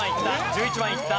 １１番いった。